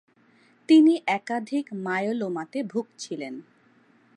তিনি একাধিক মায়োলোমাতে ভুগছিলেন।